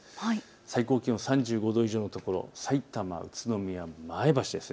最高気温３５度以上のところ、さいたま、宇都宮、前橋です。